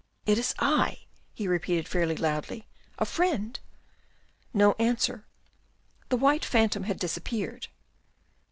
" It is I," he repeated fairly loudly. " A friend." No answer. The white phantom had disappeared.